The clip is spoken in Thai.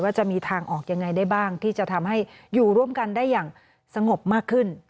จะมีทางออกยังไงได้บ้างที่จะทำให้อยู่ร่วมกันได้อย่างสงบมากขึ้น